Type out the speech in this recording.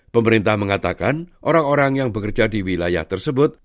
pemerintah mengatakan orang orang yang bekerja di wilayah tersebut